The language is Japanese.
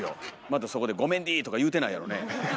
またそこで「ゴメンディ」とか言うてないやろね？